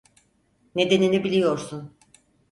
Nedenini biliyorsun.